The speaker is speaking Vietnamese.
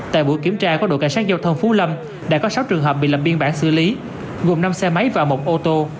tại buổi kiểm tra của đội cảnh sát giao thông phú lâm đã có sáu trường hợp bị lập biên bản xử lý gồm năm xe máy và một ô tô